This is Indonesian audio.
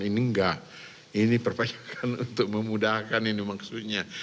ini enggak ini perpajakan untuk memudahkan ini maksudnya